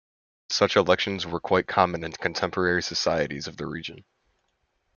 Such elections were quite common in contemporary societies of the region.